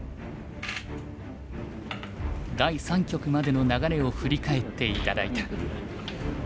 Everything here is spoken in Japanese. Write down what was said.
第三局までの流れを振り返って頂いた。